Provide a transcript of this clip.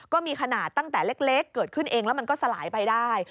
ก็มีขนาดตั้งแต่เล็กเกิดขึ้นเองแล้วมันก็สลายไปได้